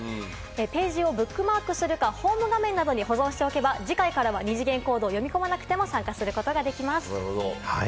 ページをブックマークするか、ホーム画面などに保存しておけば次回から二次元コードを読み込まなくても参加することができます。